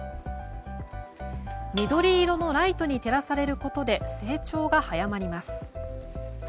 緑色のライトに照らされることで成長が早まります。